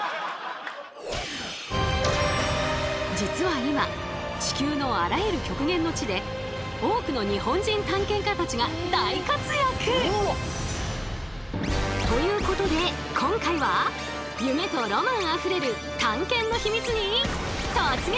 実は今地球のあらゆる極限の地で多くの日本人探検家たちが大活躍！ということで今回は夢とロマンあふれる探検のヒミツに突撃！